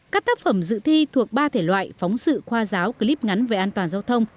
các tác phẩm dự thi thuộc ba thể loại phóng sự khoa giáo clip ngắn về an toàn giao thông